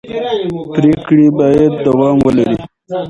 پرېکړې باید دوام ولري